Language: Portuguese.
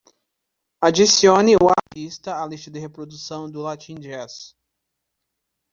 Adicione o artista à lista de reprodução do Latin Jazz.